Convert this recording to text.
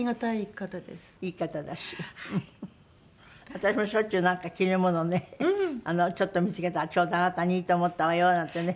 私もしょっちゅうなんか着るものねちょっと見付けたら「ちょうどあなたにいいと思ったわよ」なんてね。